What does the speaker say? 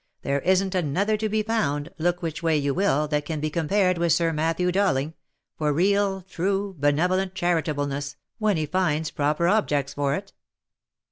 " There isn't another to be found, look which way you will, that can be compared with Sir Matthew Dowling, for real, true, benevolent, charitableness, when he finds proper objects for it."